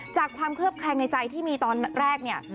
ความเคลือบแคลงในใจที่มีตอนแรกเนี่ย